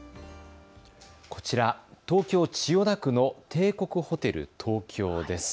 こちら、東京千代田区の帝国ホテル東京です。